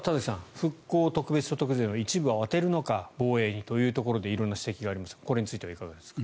復興特別所得税の一部を充てるのか防衛にというところで色んな指摘がありますがこれについてはいかがですか？